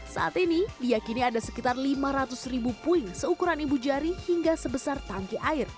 saat ini diakini ada sekitar lima ratus ribu puing seukuran ibu jari hingga sebesar tangki air